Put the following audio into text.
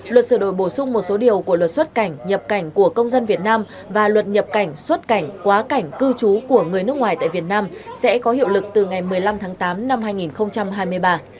luật sửa đổi bổ sung một số điều của luật xuất cảnh nhập cảnh của công dân việt nam và luật nhập cảnh xuất cảnh quá cảnh cư trú của người nước ngoài tại việt nam sẽ có hiệu lực từ ngày một mươi năm tháng tám năm hai nghìn hai mươi ba